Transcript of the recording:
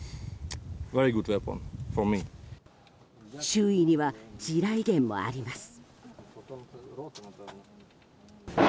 周囲には地雷原もあります。